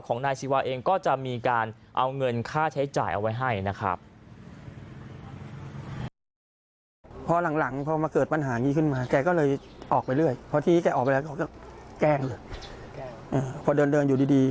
เกลงเกลงพอเดินอยู่ดี